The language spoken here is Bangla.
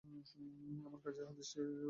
কাজেই এই হাদীসটিও জাল।